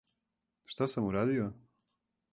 Шта сам урадио?